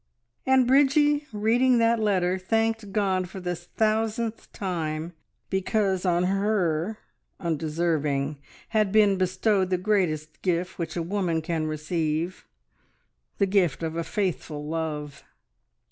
And Bridgie reading that letter thanked God for the thousandth time, because on her undeserving had been bestowed the greatest gift which a woman can receive the gift of a faithful love!